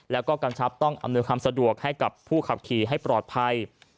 แล้วก็กำชับต้องอำนวยความสะดวกให้กับผู้ขับขี่ให้ปลอดภัย